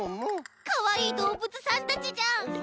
かわいいどうぶつさんたちじゃん。